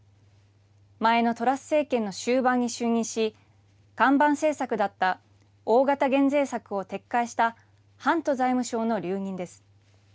前のトラス政権の終盤に就任し、看板政策だった大型減税策を撤回したハント財務相の留任です。